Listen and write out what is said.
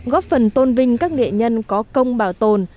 góp phần tôn vinh các nghệ nhân có công bảo tồn